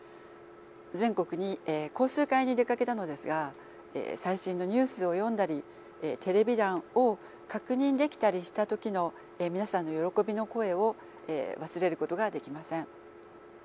全国に講習会に出かけたのですが最新のニュースを読んだりテレビ欄を確認できたりした時の皆さんの喜びの声を忘れることができません。